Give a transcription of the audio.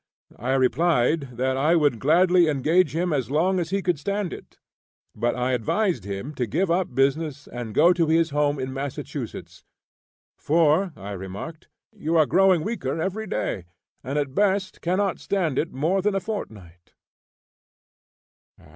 I replied that I would gladly engage him as long as he could stand it, but I advised him to give up business and go to his home in Massachusetts; "for," I remarked, "you are growing weaker every day, and at best cannot stand it more than a fortnight."